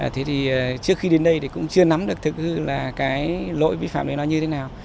thế thì trước khi đến đây thì cũng chưa nắm được thực hư là cái lỗi vi phạm đấy nó như thế nào